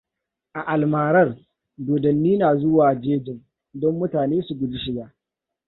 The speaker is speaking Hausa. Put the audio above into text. A almarar, dodanni na zuwa jejin, don mutane su guji shiga.